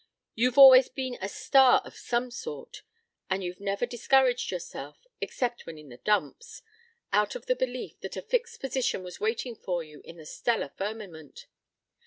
You've always been a star of some sort, and you've never discouraged yourself except when in the dumps out of the belief that a fixed position was waiting for you in the stellar firmament.